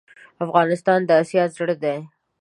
افغانستان دا اسیا زړه ډی